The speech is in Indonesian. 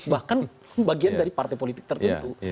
bahkan bagian dari partai politik tertentu